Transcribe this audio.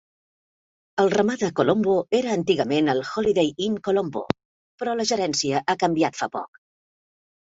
El Ramada Colombo era antigament el Holiday Inn Colombo, però la gerència ha canviat fa poc.